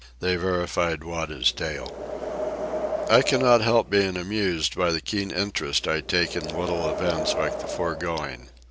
They verified Wada's tale. I cannot help being amused by the keen interest I take in little events like the foregoing.